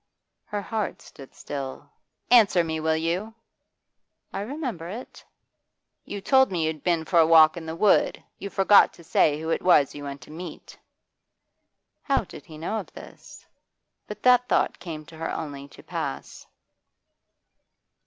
Her heart stood still. 'Answer me, will you?' 'I remember it.' 'You told me you'd been for a walk in the wood. You forgot to say who it was you went to meet.' How did he know of this? But that thought came to her only to pass.